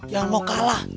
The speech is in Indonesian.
jangan mau kalah